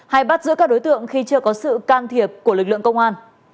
hay bắt giữ các đối tượng khi chưa có sự can thiệp của lực lượng công an